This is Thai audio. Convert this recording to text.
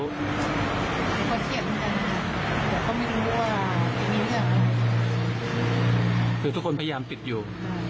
แต่เขาไม่รู้ว่าทุกคนพยายามติดอยู่